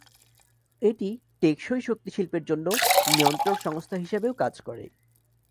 এটি টেকসই শক্তি শিল্পের জন্য নিয়ন্ত্রক সংস্থা হিসাবেও কাজ করে।